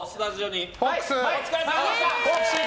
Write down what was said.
お疲れさまでした。